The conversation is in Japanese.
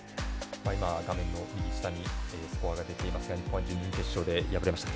画面右下スコアが出ていますが日本、準々決勝で敗れました。